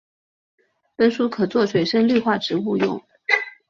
本属可做水生绿化植物用。